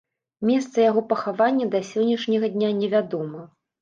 Месца яго пахавання да сённяшняга дня не вядома.